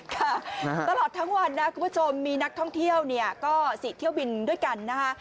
ค่ะตลอดทั้งวันนะคุณผู้ชมมีนักท่องเที่ยวเนี่ยก็๔เที่ยวบินด้วยกันนะคะ